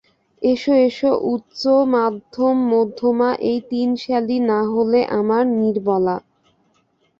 এসো এসো– উত্তমাধমমধ্যমা এই তিন শ্যালী না হলে আমার– নীরবালা।